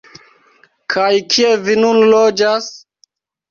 Kaj kie vi nun loĝas?